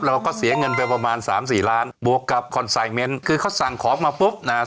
เราก็เสียเงินไปประมาณสามสี่ล้านบวกกับคือเขาสั่งของมาปุ๊บน่ะ